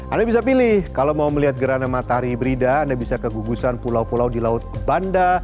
anda bisa pilih kalau mau melihat gerhana matahari hibrida anda bisa kegugusan pulau pulau di laut banda